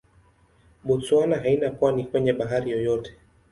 Botswana haina pwani kwenye bahari yoyote.